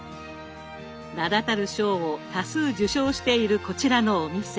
名だたる賞を多数受賞しているこちらのお店。